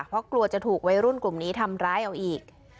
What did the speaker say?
เพราะกลัวจะถูกวัยรุ่นกลุ่มนี้ทำร้ายเอาอีก